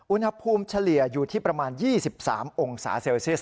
เฉลี่ยอยู่ที่ประมาณ๒๓องศาเซลเซียส